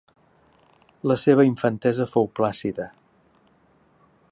La seva infantesa fou plàcida.